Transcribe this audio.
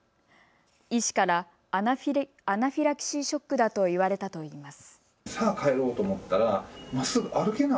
医師からアナフィラキシーショックだと言われたといいます。